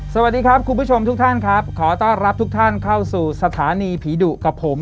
สวัสดีครับคุณผู้ชมทุกท่านครับขอต้อนรับทุกท่านเข้าสู่สถานีผีดุกับผม